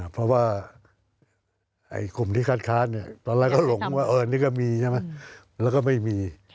เพราะว่ากลุ่มที่คัดค้านตอนแรกก็หลงว่านี่ก็มีใช่ไหมแล้วก็ไม่มี